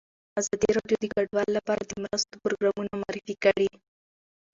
ازادي راډیو د کډوال لپاره د مرستو پروګرامونه معرفي کړي.